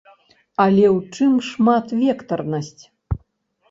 Але ў чым шматвектарнасць?